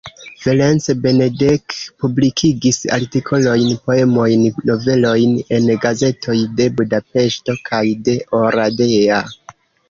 Ferenc Benedek publikigis artikolojn, poemojn, novelojn en gazetoj de Budapeŝto kaj de Oradea.